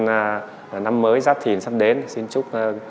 năm mới giáp thìn sắp đến xin chúc